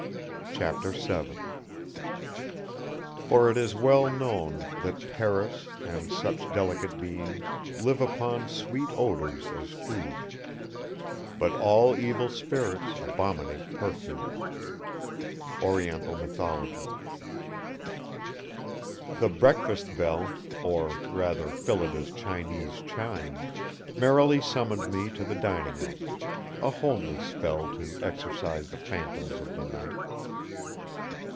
CHAPTER VII "For it is well known that Peris and such delicate beings live upon sweet odours as food; but all evil spirits abominate perfumes." ORIENTAL MYTHOLOGY. The breakfast bell, or rather Phillida's Chinese chimes, merrily summoned me to the dining room; a homely spell to exercise the phantoms of the night.